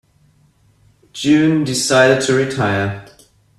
June decided to retire.